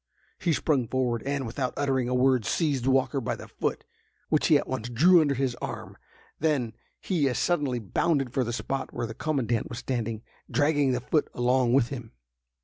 He sprung forward, and, without uttering a word, seized Walker by the foot, which he at once drew under his arm; then he as suddenly bounded for the spot where the commandant was standing, dragging the foot along with him.